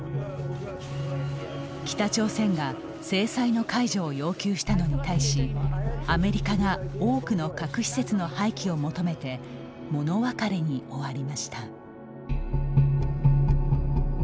北朝鮮が制裁の解除を要求したのに対しアメリカが多くの核施設の廃棄を求めて、物別れに終わりました。